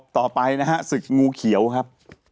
ต่อไปนะฮะศึกงูเขียวครับ